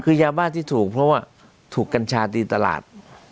คือยาบ้าที่ถูกเพราะว่าถูกกัญชาตีตลาด